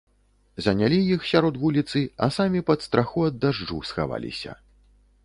Занялі іх сярод вуліцы, а самі пад страху ад дажджу схаваліся.